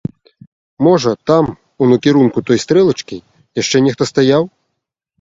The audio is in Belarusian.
Можа, там, у накірунку той стрэлачкі, яшчэ нехта стаяў?